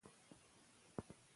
پښتو به پرمختګ کړی وي.